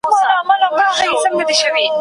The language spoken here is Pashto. تر نکاح وروسته ميرمن مجبورېدلای سي.